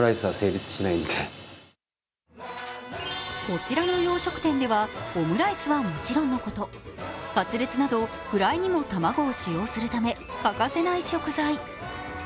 こちらの洋食店ではオムライスはもちろんのことカツレツなどフライにも卵を使用するため欠かせない食材。